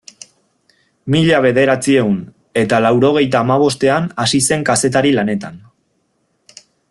Mila bederatziehun eta laurogeita hamabostean hasi zen kazetari lanetan.